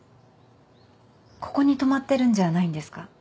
ここに泊まってるんじゃないんですか？